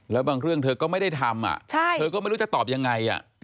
แล้วบางเรื่องเธอก็ไม่ได้ทำเธอก็ไม่รู้จะตอบยังไง